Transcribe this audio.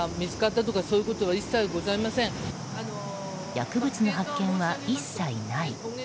薬物の発見は一切ない。